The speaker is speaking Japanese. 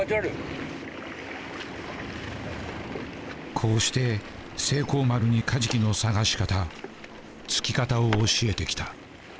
こうして成幸丸にカジキの探し方突き方を教えてきた。